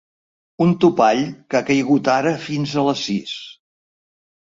Un topall que ha caigut ara fins a les sis.